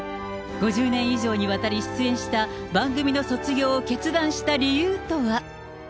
５０年以上にわたり出演した番組の卒業を決断した理由とは。